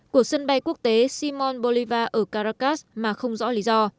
của sân bay quốc tế shimon bolivar ở caracas mà không rõ lý do